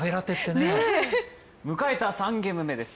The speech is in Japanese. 迎えた３ゲーム目です。